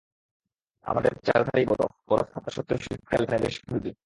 আমাদের চারধারেই বরফ! বরফ থাকা সত্ত্বেও শীতকাল এখানে বেশ মৃদু।